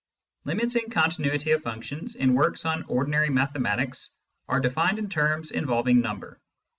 Limits and continuity of functions, in works on ordinary mathematics, are defined in terms involving number.